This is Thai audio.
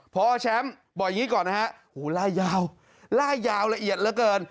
พอแชมป์บอกอย่างนี้ก่อนนะฮะโหล่ายาวไล่ยาวละเอียดเหลือเกิน